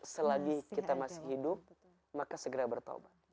selagi kita masih hidup maka segera bertaubat